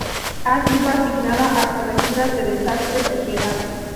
Ha sido asignada a coberturas de desastres, sociedad.